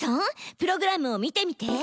プログラムを見てみて！